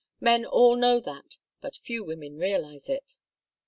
Men all know that, but few women realize it.